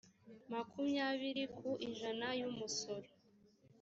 makumyabiri ku ijana y umusoro